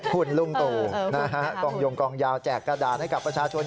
คุณลุงตู่นะฮะกองยงกองยาวแจกกระดาษให้กับประชาชน